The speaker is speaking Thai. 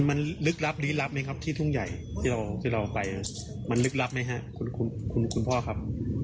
มันลึกลับลี้ลับไหมครับที่ทุ่งใหญ่ที่เราไปมันลึกลับไหมฮะคุณพ่อครับ